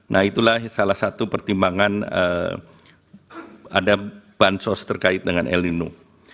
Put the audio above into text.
nah itulah salah satu pertimbangan ada bansos terkait dengan el nino